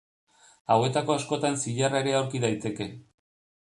Hauetako askotan zilarra ere aurki daiteke.